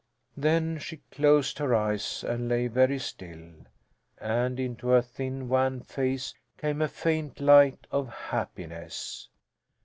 Then she closed her eyes and lay very still, and into her thin, wan face came a faint light of happiness.